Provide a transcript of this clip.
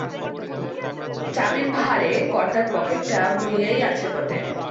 চাবির ভারে কর্তার পকেটটা বুলিয়াই আছে বটে।